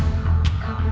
bagaimana jadi sekarang